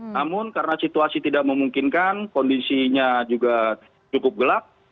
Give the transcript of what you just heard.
namun karena situasi tidak memungkinkan kondisinya juga cukup gelap